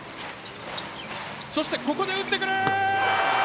そして、ここで打ってくる！